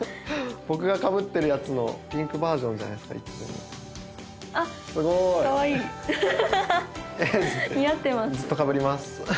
僕がかぶってるやつのピンクバージョンじゃないですかいつものあっかわいいハハハハすごーい似合ってます